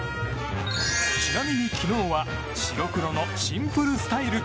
ちなみに昨日は白黒のシンプルスタイル。